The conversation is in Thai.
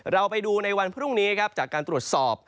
เราไปดูในวันพรุ่งนี้ครับจากการตรวจสอบ